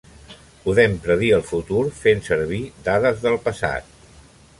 Podem predir el futur fent servir dades del passat.